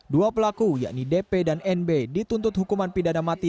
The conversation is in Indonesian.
dua pelaku yakni dp dan nb dituntut hukuman pidana mati